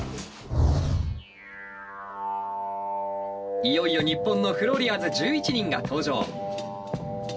いよいよ日本のフローリアーズ１１人が登場。